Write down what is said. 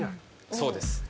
そうです。